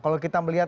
kalau kita melihat